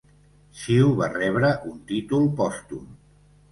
Xiu va rebre un títol pòstum.